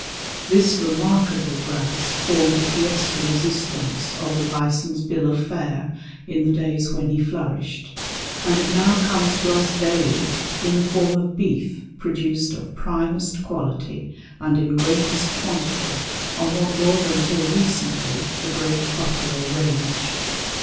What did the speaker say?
This remarkable grass formed the pièce de résistance of the bison's bill of fare in the days when he flourished, and it now comes to us daily in the form of beef produced of primest quality and in greatest quantity on what was until recently the great buffalo range.